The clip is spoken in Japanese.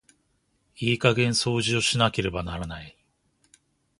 いい加減掃除をしなければならない。